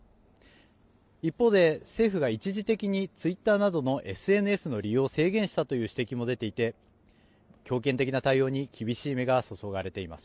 一方で政府が一時的にツイッターなどのＳＮＳの利用を制限したという指摘も出ていて強権的な対応に厳しい目が注がれています。